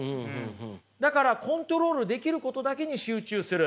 だからコントロールできることだけに集中する。